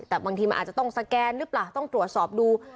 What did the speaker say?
แต่บางทีมันอาจจะต้องสแกนหรือเปล่าต้องตรวจสอบดู